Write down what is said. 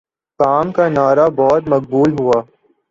کام کا نعرہ بہت مقبول ہوا